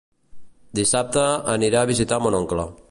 Dissabte anirà a visitar mon oncle.